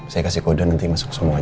saya kasih kode nanti masuk semuanya